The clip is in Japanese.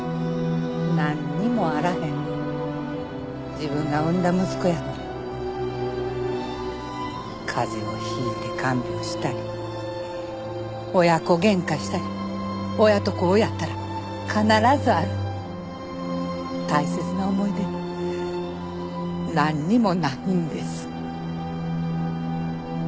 自分が産んだ息子やのに風邪をひいて看病したり親子ゲンカしたり親と子やったら必ずある大切な思い出が何にもないんです。